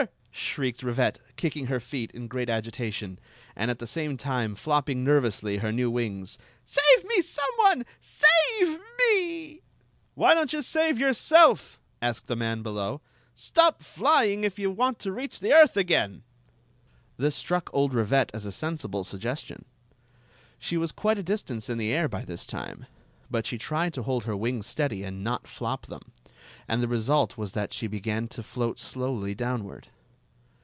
shrieked Rivette, kick ing her feet in great agitation, and at the same time flopping nervously her new wings. " Save me, some one! Save me! "Why don't you save yourself?' asked a man 88 Queen Zixi of Ix ; or, the below. '* Stop flying, if you want to reach the earth again ! This struck old Rivette as a sensible suggestion. She was quite a distance in the air by this time ; but she tried to hold her wings steady and not flop them, and the result was that she began to float slowly downward.